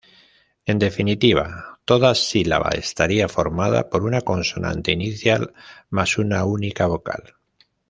En definitiva toda sílaba estaría formada por una consonante inicial más una única vocal.